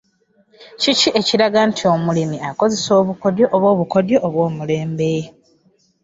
Kiki ekiraga nti omulimi akozesa obukugu oba obukodyo obw’omulembe?